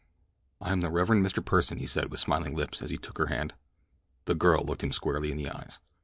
"I am the Rev. Mr. Pursen," he said with smiling lips as he took her hand. The girl looked him squarely in the eyes.